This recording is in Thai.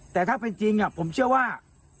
แต่ถ้าเป็นจริงผมเชื่อว่า